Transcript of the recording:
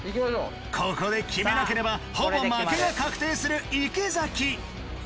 ここで決めなければほぼ負けが確定する池崎。